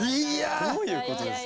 どういうことですか？